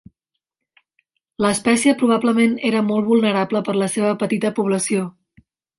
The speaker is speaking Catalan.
L'espècie probablement era molt vulnerable per la seva petita població.